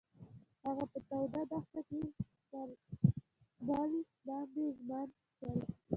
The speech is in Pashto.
هغوی په تاوده دښته کې پر بل باندې ژمن شول.